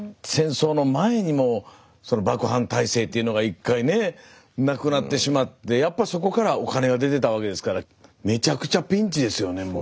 戦争の前にも幕藩体制というのが１回ねなくなってしまってやっぱそこからお金が出てたわけですからめちゃくちゃピンチですよね